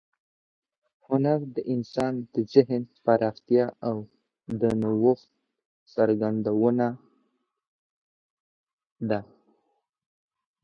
هنر د انسان د ذهن پراختیا او د نوښت څرګندونه ده.